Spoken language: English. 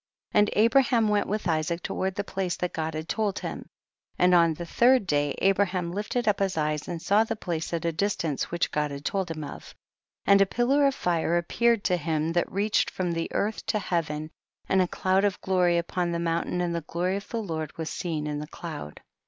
40. And Abraham went with Isaac toward the place that God had told him. 41. And on the third day Abra ham lifted up his eyes and saw the place at a distance which God had told him of. 42. And a pillar of fire appeared to him that reached from the earth to heaven, and a cloud of glory up on the mountain, and the glory of the Lord was seen in the cloud.